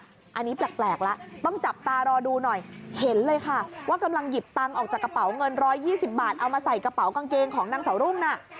อันนี้แปลกแล้วต้องจับตารอดูหน่อยเห็นเลยค่ะว่ากำลังหยิบตังค์ออกจากกระเป๋าเงิน๑๒๐บาทเอามาใส่กระเป๋ากางเกงของนางสาวรุ่งน่ะ